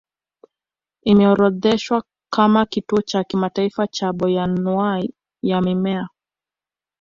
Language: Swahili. Imeorodheshwa kama kituo cha kimataifa cha bayoanuwai ya mimea